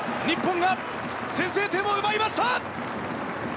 日本が先制点を奪いました！